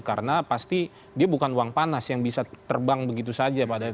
karena pasti dia bukan uang panas yang bisa terbang begitu saja